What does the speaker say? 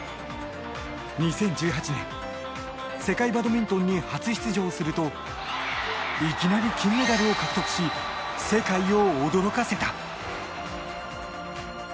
２０１８年世界バドミントンに初出場するといきなり金メダルを獲得し世界を驚かせた。